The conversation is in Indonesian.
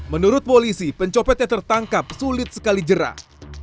menurut polisi pencopet yang tertangkap sulit sekali jerah